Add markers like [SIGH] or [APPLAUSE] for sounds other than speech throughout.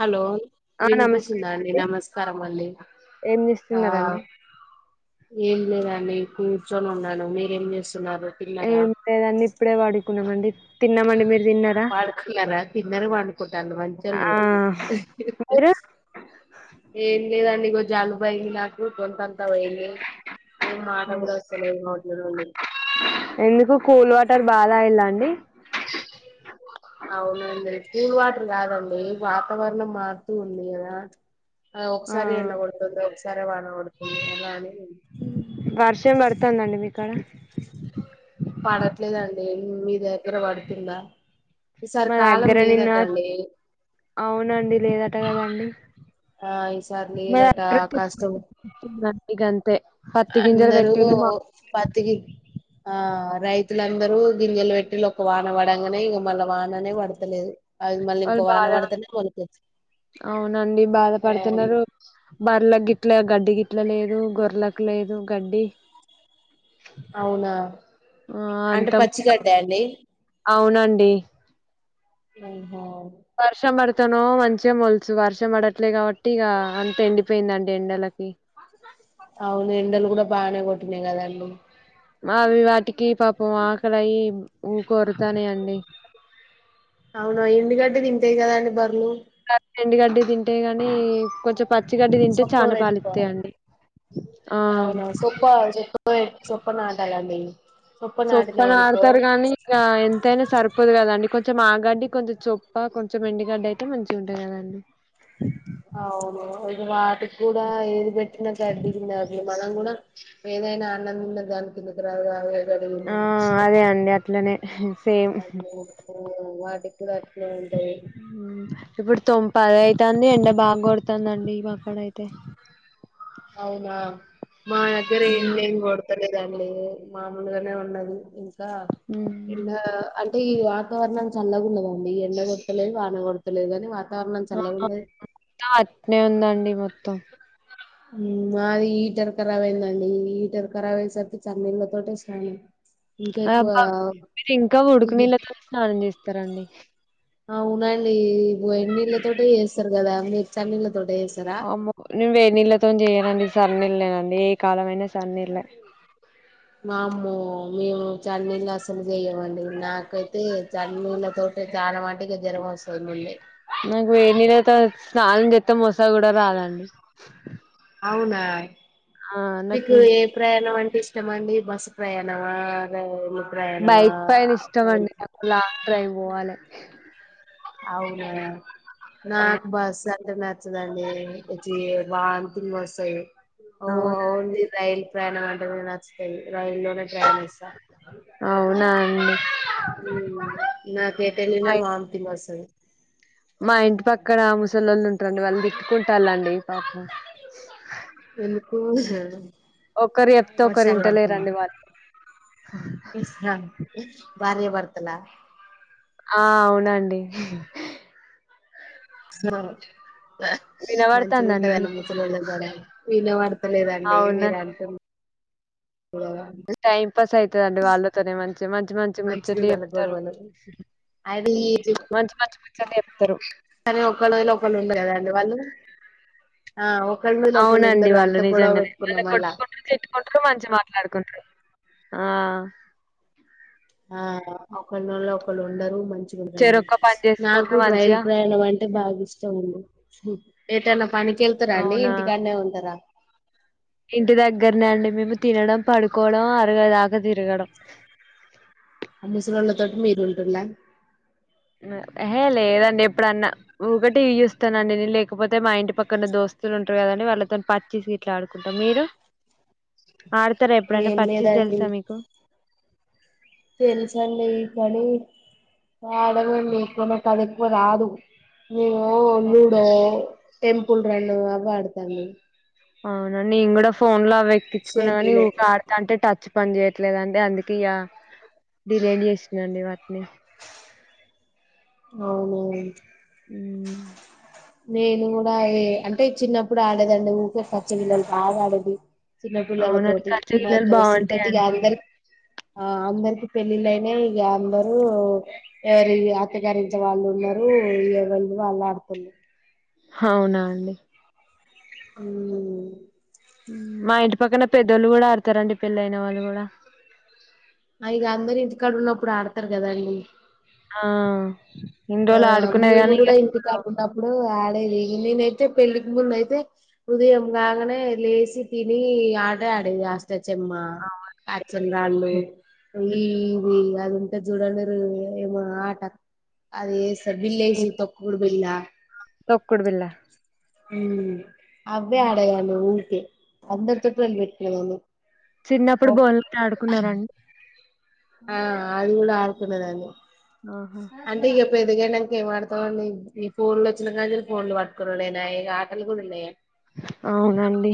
Hello ఆ నమస్కారం వినిపిస్తుందాండి అండి ఆ, నమస్కారం అండి ఏం ఆ చేస్తున్నరండి ఏం లేదండి కూర్చొని ఉన్నాను మీరేం చేస్త ఏమి లేదండి ఇప్పుడే వాడుకున్నామండి తిన్నామండి మీరు తిన్నారా పడుకున్నారా తిన్నరు పడుకుంటాళ్ళు ఆ మంచోళ్ళు మీరు ఏం లేదండి ఇగ జలుబు అయ్యింది నాకు గొంతంత నవ్ ఏ లేవు మాట కూడా వస్తలేదు నోట్లో నుండి ఎందుకు కూల్ వాటర్ బాగా తగిల్లా అండి అవునండి కూల్ వాటర్ కాదండి వాతావరణం మారుతూ ఉంది కదా ఆ ఒకసారి ఎండ కొడుతుంది ఒకసారి వాన కొడుతుంది అలా అని వర్షం పడుతుందండి మీకాడ పడట్లేదండి మీ దగ్గర పడుతుందా ఈసారి మా కాలం దగ్గర నిన్న లేదట అండి అవునండి లేదట కదండి ఆ ఈసారి మా లేదటా దగ్గర కష్టమే తుందండి గంతే పత్తి గింజలు అందరూ పెట్టిరు మా పత్తికి ఆ ఆ రైతులందరూ గింజలు పెట్టిళ్ళు ఒక వాన పడంగానే ఇగ మళ్ళ వాననే పడతలేదు అది మళ్ళీ వాళ్ళు ఇంకో వాన బాధ పడితేనే మొలికెత్తు అవునండి బాధ పడుతున్నారు బర్ల గి ఇట్లా గడ్డి గిట్లా లేదు గోర్లకు లేదు గడ్డి అవునా ఆ అంటే అంత మొత్తం పచ్చిగడ్డా అండి అవునండి ఆహా వర్షం పడతానో మంచిగా మొలుసు వర్షం పడట్లే కాబట్టి ఇగా అంత ఎండిపోయిందండి ఎండలకి అవును ఎండలు కూడా బాగానే కొట్టిన్నాయి కదండి అవి వాటికి పాపం ఆకలి అయి ఊక వొర్రుతన్నాయి అండి అవునా ఎందుకంటే ఇంతే కదా అండి ధరలు ఆ ఎండిగడ్డి తింటే గాని కొంచెం పచ్చిగడ్డి తింటే చాలా పాలిస్తాయంండి అవును సోఫ చె సొఫనటా కదండీ సొప్పన ఆడతారు గానీ ఇంకా తని సరిపోదు కదండి కొంచెం ఆగడ్డి కొంచం చొప్ప కొంచెం ఎండిగడ్డి అయితే మంచిగా ఉంటుంది కదండి అ అవును ఇది వాటికి కూడా ఏది పెట్టినా [UNINTELLIGIBLE] మనం కూడా ఏ ఎంతేనా అన్నం తిన్న దానికి కిందికి రాదు గడ్డి తిన్న ఆ అదే అండి అట్లనే సేమ్ ఉఎ ఓ వాటికి కూడా అట్లే ఉంటాయి ఉమ్ ఇప్పుడు తొంప్ పదే తంది ఎండ బాగా కొడతంది ఈ పక్కడ అయితే అవునా మా దగ్గర ఏం ఎండ కొడతలేదండి లే మామలుగానే ఉండదు ఇంకా ఇంకా అంటే ఇగ వాతావరణం చల్లకుంనదండి ఎండ కొట్టలేదు వాన కొడతలేదు అని ఆ ఆ అట్నే ఉందండి మొత్తం ఉమ్ మాది హీటర్ ఖరాబ్ అయిందండి హీటర్ ఖరాబ్ అయిసరికి చల్ నీళ్ళ తోటే స్నాన్ అబ్బా మీరు ఇంకా ఉడుకు నీళ్ళతోనే స్నానం చేస్తారండి అవునండి వేడ్ నీళ్ళతోటె చేస్తారు కదండీ చన్నీళ్ళతో అమ నువ్వు వెన్నిలతో చేయ అండి సర్నేలేనండి ఏ కాలంమయినా సర్న్నీల్లే వామ్మో మేము చన్నన్నీళ్లు అసలు చెయ్యమండి నాకైతే చల్నీళ్లతో తే చానమట్టుకు జరం వస్తాది మళ్ళీ నాకు వేనీళ్లతో స్నానం చేస్తాం మోస కూడా రాదండి అవునా ఆ మీకు నాకు ఏ ప్రయాణం అంటె ఇష్ ఇష్టం మండి బస్ ప్రయానమ రైల్ బైక్ పైన ఇష్టంమండి నాకు లాంగ్ డ్రైవ్ పోవాలే అవునా నాకు బస్ బస్ నచ్చదండి వచ్చి వంతింగ్ వస్తాయి అవునా ప్రయాణం అంటే కూడా నచ్చుతాంది రైల్లోనే ప్రయాణిస్త అవునా అండి ఉమ్ నా కేటెలిన వాంతిగ్ వస్తది మా ఇంటి పక్కనా ముసలోల్లు ఉంటారండి వాళ్ళు తిట్టుకుంటారుళ్ళండి పాపం ఎందుకు ఒకరు సోప్తే ఒకరు వర్షాలు పడుతున్నాయి ఇంటలేరండి వాళ్ళు భార్య భర్తల ఆ అవునండి హా మంచిగా వినబడతాందండి ఉంటాదండి మీకు ముసలొల్లా గొడవ విన త లేదండి మీరు అవునండి అంటున్ [UNINTELLIGIBLE] టైం పాస్ అయితదండి వాళ్ళతోనే మంచి మంచి మంచి ముచ్చట్లు మంచిగుండాల చెప్తారు గొడవలు అది [UNINTELLIGIBLE] [UNINTELLIGIBLE] చెప్తారు కానీ [UNINTELLIGIBLE] ఒకళ్ళు ఉండ కదండి వాళ్ళు ఆ ఒకళ్ళ మీద ఒకళ్ళు అవునండి ఉండరు వాళ్ళు అంత గొడవ నిజంగానే పెట్టుకున్నా వాళ్లు మళ్ళా కొట్టుకుంటారు తిట్టుకుంటారు మంచి మాట్లాడుకుంటారు ఆ ఆ ఒకళ్ళూళ్ళ ఒకళ్ళు ఉండరు మంచి చెరొక్క పని నాకు చేసుకుంటారు రైల్ మంచిగా ప్రయాణం అంటే బాగా ఇష్టం ఉంది ఏటన్నా పనికెళ్తారా అండి అవునా ఇంటికానే ఉంటరా గొడవ అరిగేదాక తిరగడం ఆ ముసల్లోల్ల తోటి మీరుంటురా ఏహే లేదండి ఎప్పుడన్నా ఊకేటివి చూస్తానండి లేకపోతే మా ఇంటి పక్కన దోస్తు ఉంటారు గదండి వాళ్ళతోని పచ్చీస్ గిట్లా ఆడుకుంటాం మీరు [INAUDIBLE] ఆడతారా ఎప్పుడైనా ఏం పచ్చీస్ లేదండి తెలుసా మీకు తెలుసండి కానీ ఆడమండి ఎక్కువ కది ఎక్కువ రాదు మేము లూడో టెంపుల్ రన్ అది ఆడతాను అవునా నేను గూడా ఫోన్ లో అవి ఎక్కించుకున్నా గాని షటిలు ఊకే ఆడతా ఉంటే టచ్ పని జేయట్లేదు అండి అందుకే ఇగ డిలీట్ చేసినండి వర్క్ ని అవునా మ్మ్ నేను గూడా యే అంటే చిన్నప్పుడు ఆడేదండి ఊకే పచ్చగిల్లలు బాగా ఆడేది చిన్నపిల్లల అవునండి తోటి మా కచ్చగిల్లలు దోస్తుల తోటి ఇగ బాగుంటాయండి అందరు ఆ అందరికి పెళ్ళిళ్ళైనయ్ ఇగ అందరు ఎవరి అత్తగారింట్ల వాళ్ళు ఉన్నరు ఇగ ఎవళ్ళి వాళ్ళు ఆడుతుండ్రు అవునా అండి ఉమ్ ఉమ్ మా ఇంటి పక్కన పెద్దోళ్ళు గూడా ఆడతారండి పెళ్ళైయిన వాళ్ళు గూడా ఇగ అందరు ఇంటి కాడవున్నప్పుడు ఆడతారు గదండి ఆ ఇన్ని ఆ రోజులు ఆడుకునేది మేము కానీ ఇగ గూడా ఇప్పుడు ఇంటికాడ ఉన్నప్పుడు నేనైతే పెళ్ళికి ముందు అయితే ఉదయం కాగానే లేసి తిని ఆట ఆడేది అష్టచెమ్మా అచ్చన రాళ్ళు అవునండి ఉమ్ ఉమ్ అది ఉంటది చూడలేరు ఏమో ఆట అది యే బిలేసి తొక్కుడు బిల్ల తొక్కుడు బిల్ల ఉమ్ అవ్వే ఆడేదాన్ని ఊకే అందరితోటి లొళ్ళి పెట్టుకునే దాన్ని చిన్నప్పుడు బౌల్ తో ఆడుకున్నారండి ఆ అది గూడా ఆడుకునేదాన్ని ఆహా అంటే ఇగ పెద్దగైనంకా ఏం ఆడతామండి ఈ ఫోన్లు వచ్చినా గానించెల్లి ఫోన్లు పట్టుకునుడేనాయ్ ఆటలు కూడా లేవ్ అవునండి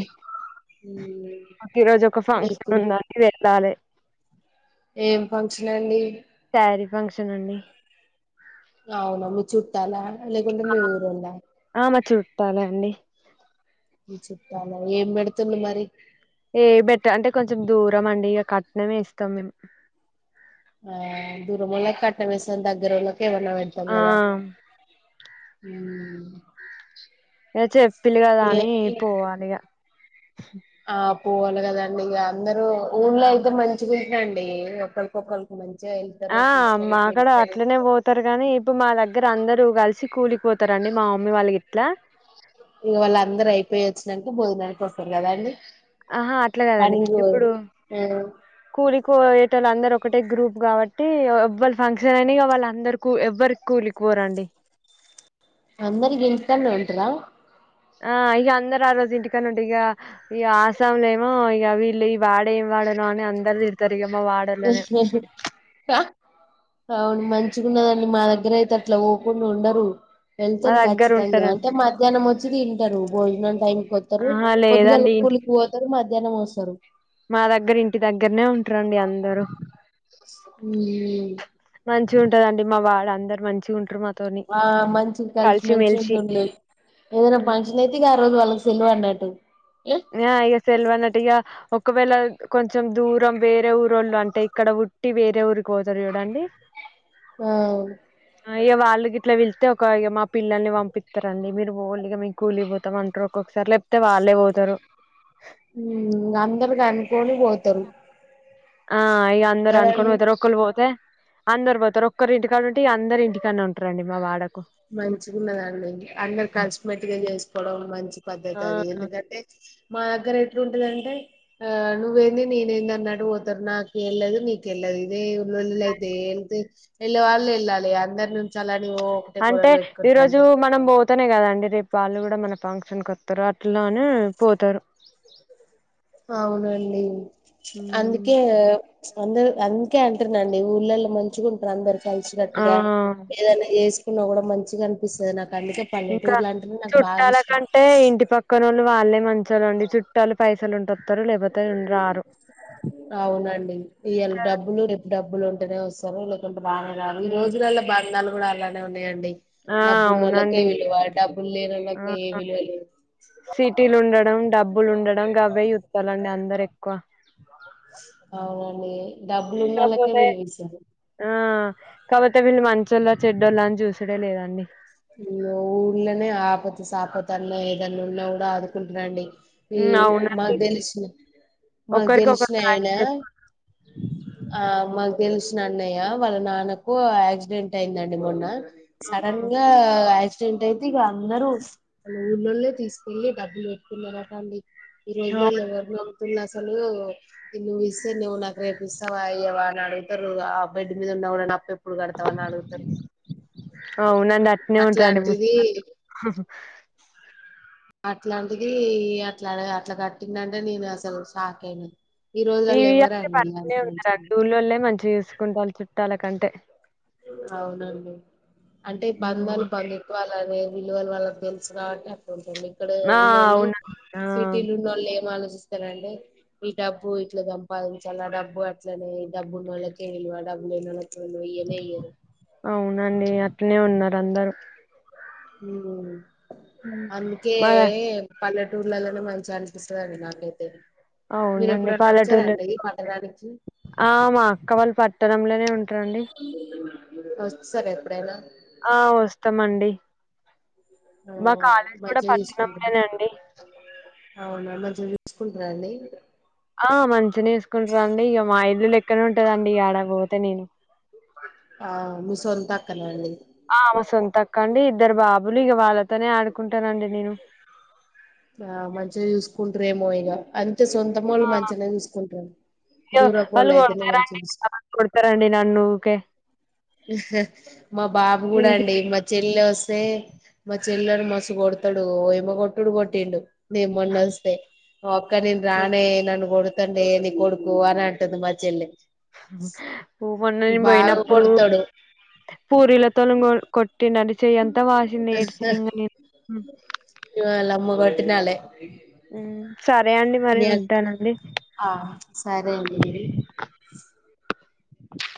మాకు ఈ రోజు ఒక రేపు ఫంక్షన్ ఉందండి వెళ్ళాలే ఏం ఫంక్షన్ అండి సారి ఫంక్షన్ అండి అవునా మీ చుట్టాలా లేకుంటే మీ ఊరోళ్ళా ఆ మా చుట్టాలే అండి మీ చుట్టాలా ఏం బెడుతుంది మరి ఏం బెట్ట అంటే కొంచెం దూరం అండి ఇగ కట్నమే ఇస్తాం మేము ఆ దూరమోలకు కట్నం యేస్తం దగ్గరలకేమన్నా బెడత్తాం ఆ గదా ఉమ్ ఏ చెప్పిల్ గదా ఏ అని పోవాలి ఇగ ఆ పోవాలి గదండి ఇగ అందరు ఊళ్ళ అయితే మంచిది అండి ఒకలికొకల్కి మంచి ఆ మా అక్కడ అట్లనే పోతారు కాగానీ ఇప్పు మా దగ్గర అందరూ కలిసి కూలిపోతారండి మా మా మమ్మీ వాల్ గిట్లా ఇక వాళ్ళ అందరు అయిపోయ వచ్చినాక భోజనానికి వస్తారు కదా అండి ఆహా అట్లా కాదండి పని పో- ఇప్పుడు ఆ కూలి కో ఏటోలు అందరు ఒకటే గ్రూప్ కాబట్టి ఎవ్వల్ ఫంక్షన్ అని వాళ్ళందరు కూ ఎవ్వరి కూలికిపోరండి అందరి గెలుస్తానే ఉంట్ర ఆ ఇగ అందరు ఆ రోజు ఇంటికన్నే ఇగ ఇగ ఆసాంలో ఏమో ఇక వీళ్ళు వాడే ఇవ్వడనో అని అందర్ తి ఆ అవును మంచిగున్నదండి మా దగ్గర అయితే అట్లా పోకుండా ఉండరు మా వెళ్తారు దగ్గర ఖచ్చితంగా ఉంటారండి అంటే మధ్యాహ్నం వచ్చి తింటారు భోజనం టైంకి వస్తారు ఆహా పొద్దుగాల లేదండి ఇంటి కూలికి పోతారు మధ్యాహ్నం వస్తారు మా దగ్గర ఇంటి దగ్గరనే ఉంటారండి అందరూ మ్మ్ మ్మ్ మంచిగా ఉంటదండి మా వాళ్ళ అందరు మంచిగా ఉంటారు మా ఆ మంచి కలిసి మలిసి ఉంటున్డ్లి లేదు ఏదైనా ఫంక్షన్ అయితే ఇక ఆ రోజు వాళ్ళకి సెల్వనట్టు ఆ ఇగ తెల్వనట్టుగా ఒకవేళ కొంచెం దూరం వేరే ఊరోళ్ళు అంటే ఇక్కడ ఉట్టి వేరే ఊరు కోతురు చూడండి ఏయ్ అయ్యా వాళ్ళు గిట్లా వెళ్తే ఒక మా పిల్లల్ని పంపిస్తారండి మీరు ఓల్ గా మీకు కూలిపోతామ్ అంటారు ఒకొ ఒకసారి లేపోతే వాళ్ళే పోతారు ఉ అందరికి అనుకొని పోతారు ఆ ఇక అందరు అనుకుని కదండి పోతారు ఒకళ్లు పోతే అందరు పోతారు ఒక్కరి ఇంటికా ఉంటే అందరి ఇంటికన్నా ఉంటారండి మా వాడ మంచిగా ఉన్నదండి అందరు కలిసిమెట్టుగా చేసుకోవడం మంచి ఆ! పద్ధతి అది ఎందుకంటే మా దగ్గర ఎట్లుంటందంటే ఆ నువ్వేంది నేనే ఏంది అన్నట్టు పోతారు నాకేళ్లేదు నీకెళ్లేదు ఇదే ఉల్ళ్ల్ ఇళ్ళైతే ఎళ్ంత వెళ్ళ వాళ్లు వెళ్ళాలి అందరి నుంచలి అంటే ఈ రోజు మనం పో పోతేనే కదండి రేపు వాళ్ళు కూడా మన ఫంక్షన్ కు వస్తారు అట్లానే పోతారు అవునండి హ్మ్. అందుకే ప్చ్ అందరు అందుకే అంటున్నండి ఊళ్ళలో మంచిగున్ అందరు ఆ కలిసినట్టుగా ఏదైనా చేసుకున్నా గుడా మన్ ఇంక నాకు బాగా చుట్టాల ఇష్టం కంటే ఇంటి పక్కనోళ్ళు వాళ్ళే మంచో లండి చూట్ చుట్టాలు పైసలు ఉంటర్ అవునండి ఇయల డబ్బులు రేప్ డబ్బులు ఉంటేనే వస్తరు లేకుంటే బాగా కాదు ఈ హ్మ్. రోజులల్లో బంధాలు కూడా అలానే ఉన్నాయండి ఆ డబ్బున్నోళ్ళకే అవునండి విలువ డబ్బులు ఆ లేనోళ్లకు ఏ విలువలేదు సిటీలు ఉండడం డబ్బులు ఉండడం గవ్వే చూత్తలండి అందరు ఎక్కువ అవునండి డబ్బులు ఉన్నోళ్ళకే కాపోతే విలువిస్తారు ఆ కాపోతే వీళ్ళు మంచోళ్ల చెడ్డోళ్ళ అని చూసుడే లేదండి మ్ ఊళ్ళనే ఆపతు సపతన్న ఏదన్న ఉన్న గుడా అదుకుంట్రండి హ్మ్ మ్ మాకు అవునండి తెలిస్ మాకు ఒకరికి ఒకరు తెలిసిన సాయం ఆయనా చేసుకుంటారు ఆ మాక్ తెలిసిన అన్నయ్య వాళ్ళ నాన్నకు యాక్సిడెంట్ అయిందండి మొన్న సడన్ ఆ యాక్సిడెంట్ అయితే ఇగ అందరూ వాళ్ళ ఊళ్ళోళ్లే తీసుకెళ్ళి డబ్బులు బెట్టుకున్నరట అండి ఈ ఆ అవును రోజులలో ఎవరు నముతున్న అసలు ఊ నువ్వు ఇస్తే నీవు నాకు రేపు ఇస్తావా ఇయ్యవా అన అడుగుతరు ఆ బెడ్ మీద ఉన్న గుడా నా పెప్ ఇప్పుడు కడతావా అని అడుగుతారు గట్నే ఉంటదండి ముసలి అట్లాంటిది వాళ్ళు ఉ హ్హ్ అట్లాంటిది ఇ అట్ల అడ అట్ల కట్టిండంటే నేను అసలు షాక్ అయిన ఇవి అంటే పనే ఉన్నారా ఊల్లోళ్ళే మంచిగ చూసుకుంటళ్ళు చుట్టాల కంటే అవునండి అంటే బంధాలు హ్మ్ బంధుత్వాలు అదే విలువలు వాళ్ళకు తెలుసు గబట్టే అట్ల ఉంటుంది ఇక్కడ ఆ ఉన్నోళ్ళు అవునండి ఆ సిటీలున్నోళ్లే ఏమ ఆలో సి సరే అండి ఈ డబ్బు ఇట్ల సంపాదించాలి ఆ డబ్బు అట్లనే డబ్బున్నోళ్ళకే విలువ డబ్బు నెల నెలకేమో ఈఎంఐ లు అవునండి అట్నే ఉన్నారు అందరూ అందుకే మా ఎ పల్లెటూర్లలోనే మంచిగ అనిపిస్తుందండి నాకైతే మీరు అవునండి ఎప్పుడన్నా వచ్చారా పల్లెటూర్లో అండి ఈ పట్టణానికి ఆ మా అక్క వాళ్ళు పట్టణంలోనే ఉంటరండి వస్తారా ఎప్పుడైనా ఆ వస్తామండి ఆ మా కాలేజ్ గుడా మంచిగా పట్టణం చూసుకుంటారు నేనండి అవునా మంచిగ చూసుకుంట్రా అండి ఆ మంచిగనే చూసుకుంట్ర అండి ఇగ మా ఇల్లు లెక్కనే ఉంటదండి ఇగ ఆడపోతే నేను ఆ మీ సొంతక్కన అండి తక్కండి ఇద్దరు బాబులు ఇగ వాళ్ళతోనే ఆడుకుంటానండి నేను ఆ మంచిగ చూసుకుంట్రేమో ఇగ అంతే సొంత మోళ్ళు మంచిగనే చూసుకుంట్రూ య్య వాళ్ళు కొడుతరండి ఆ కొడుతరండి నన్ను ఊకే హ్ హా మా బాబు గుడా ఇంటి అండి మా చెల్లె వస్ స్తే మా చెల్లను మస్తు కొడుతడు ఓ ఏమ కొట్టుడు కొట్టిండు మేము మొన్నస్తే ఓ అక్క నేన్ రానే నన్ గొడుత్ చెండే నీ కొడుకు అని అంటది మా చెల్లె పూ మొన్న నేన్ బాగా పోయినప్పుడు కొడతాడు పూరీల తొ నిన్ను కొట్టిండని చెయ్యి అంత వాసింది ఏడ్చిన ఇంగ నేను మ్మ్ ఇగ వాళ్ళ అమ్మ కోట్టినాలె హ్మ్. సరే అండి మరి మీ అక్ ఉంటానండి. ఆ సరే అంది మరీ [INAUDIBLE]